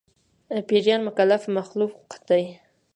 پيريان مکلف مخلوق دي